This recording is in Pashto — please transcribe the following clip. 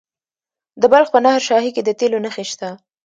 د بلخ په نهر شاهي کې د تیلو نښې شته.